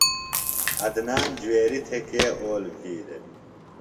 عدنان جُویریۡ تھےۡ کے اول بھی دےۡ؟